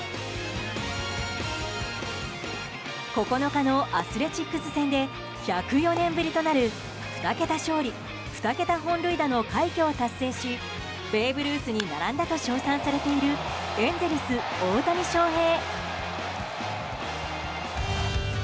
９日のアスレチックス戦で１０４年ぶりとなる２桁勝利２桁本塁打の快挙を達成しベーブ・ルースに並んだと称賛されているエンゼルス、大谷翔平。